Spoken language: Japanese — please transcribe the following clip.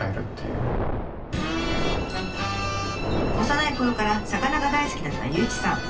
幼いころから魚が大好きだった祐一さん。